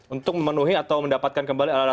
untuk memenuhi atau mendapatkan kembali alat bukti itu